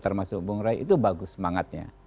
termasuk bung rai itu bagus semangatnya